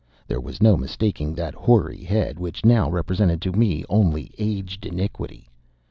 There was no mistaking that hoary head, which now represented to me only aged iniquity.